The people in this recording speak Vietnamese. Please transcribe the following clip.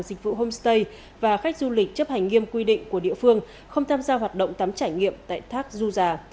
dịch vụ homestay và khách du lịch chấp hành nghiêm quy định của địa phương không tham gia hoạt động tắm trải nghiệm tại thác du già